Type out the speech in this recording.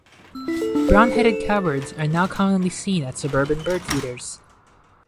Brown-headed cowbirds are now commonly seen at suburban birdfeeders.